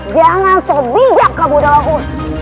jangan sebijiak kamu dahut